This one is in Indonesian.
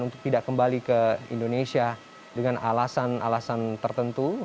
untuk tidak kembali ke indonesia dengan alasan alasan tertentu